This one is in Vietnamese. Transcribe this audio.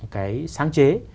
cái sáng chế